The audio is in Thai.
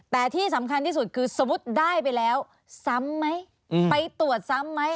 แต่ที่สำคัญที่สุดคือสมมุติได้ไปแล้วซ้ำไหมไปตรวจซ้ำไหม